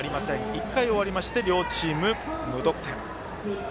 １回終わりまして両チーム無得点。